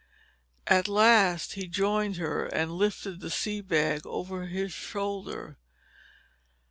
At last he joined her and lifted the sea bag over his shoulder.